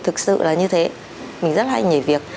thực sự là như thế mình rất hay nghỉ việc